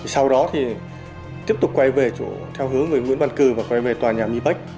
sau đó thì tiếp tục quay về chỗ theo hướng nguyễn văn cử và quay về tòa nhà mi bách